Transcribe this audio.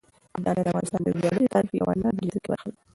ابداليان د افغانستان د وياړلي تاريخ يوه نه بېلېدونکې برخه ده.